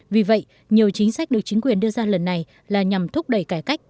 vì vậy nhiều chính sách được chính quyền đưa ra lần này là nhằm thúc đẩy cải cách